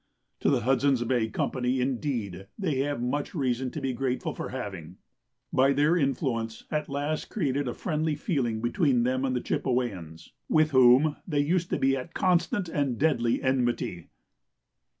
To the Hudson's Bay Company, indeed, they have much reason to be grateful for having, by their influence, at last created a friendly feeling between them and the Chipewyans, with whom they used to be at constant and deadly enmity.